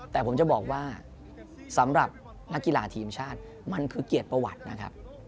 แต่ผมจะบอกว่าสำหรับนักกีฬาทีมชาติมันคือเกียรติประวัตินะครับ